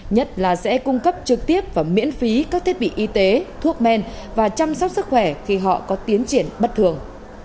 nhất là sẽ cung cấp trực tiếp và miễn phí các thiết bị y tế thuốc men và chăm sóc sức khỏe khi họ có tiến triển bất thường